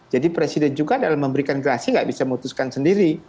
jadi presiden juga dalam memberikan gerasi nggak bisa memutuskan sendiri